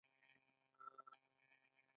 د کوشانشاهانو دوره پیل شوه